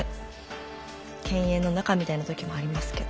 犬猿の仲みたいな時もありますけど。